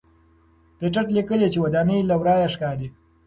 پېټټ لیکلي چې ودانۍ له ورایه ښکاري.